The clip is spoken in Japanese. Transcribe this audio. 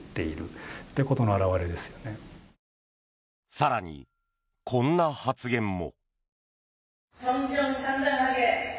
更に、こんな発言も。